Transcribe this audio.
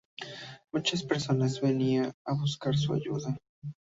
Muchas personas venían a buscar su ayuda.